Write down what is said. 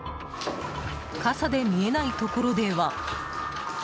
傘で見えないところでは。